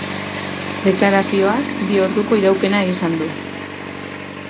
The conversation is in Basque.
Deklarazioak bi orduko iraupena izan du.